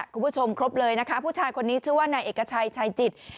ครบเลยนะคะผู้ชายคนนี้ชื่อว่านายเอกชัยชัยจิต